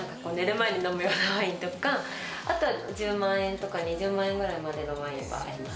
前に飲むようなワインとか、１０万円とか２０万円ぐらいまでのワインがあります。